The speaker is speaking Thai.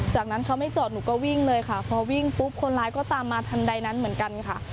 จากนั้นเขาไม่จอดหนูก็วิ่งเลยค่ะพอวิ่งปุ๊บคนร้ายก็ตามมาทันใดนั้นเหมือนกันค่ะ